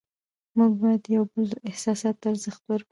موږ باید د یو بل احساساتو ته ارزښت ورکړو